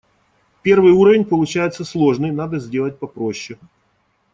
Первый уровень получается сложный, надо сделать попроще.